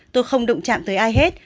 tôi không động chạm tới ai hết